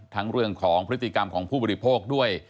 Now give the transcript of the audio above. เรื่องของพฤติกรรมของผู้บริโภคด้วย